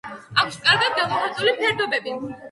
აქვს კარგად გამოხატული ფერდობები.